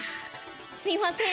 すいません。